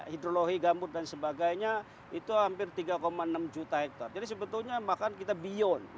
hidrologi gambut dan sebagainya itu hampir tiga enam juta hektare jadi sebetulnya bahkan kita beyond